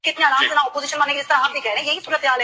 دبنگ کا تیسرا حصہ بھی سوناکشی کے قبضے میں